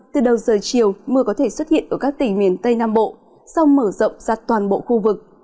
từ đầu giờ chiều mưa có thể xuất hiện ở các tỉnh miền tây nam bộ sau mở rộng ra toàn bộ khu vực